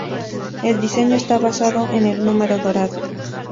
El diseño está basado en el número dorado.